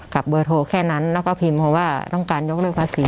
เบอร์โทรแค่นั้นแล้วก็พิมพ์เพราะว่าต้องการยกเลิกภาษี